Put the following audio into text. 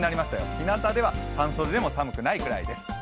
ひなたでは半袖でも寒くないくらいです。